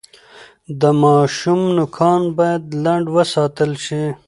د ماشوم نوکان باید لنډ وساتل شي۔